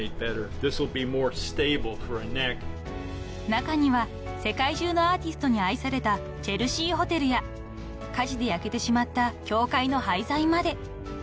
［中には世界中のアーティストに愛されたチェルシーホテルや火事で焼けてしまった教会の廃材まで］